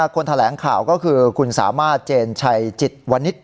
คนแถลงข่าวก็คือคุณสามารถเจนชัยจิตวนิษฐ